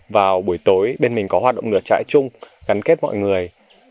vào buổi tối bên mình có hoạt động lửa trại chung gắn kết mọi người